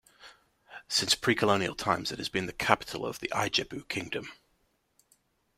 Since pre-colonial times it has been the capital of the Ijebu kingdom.